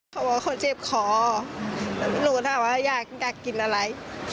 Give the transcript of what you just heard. เขาบอกว่าคนเจ็บขอลูกถามว่าอยากอยากกินอะไร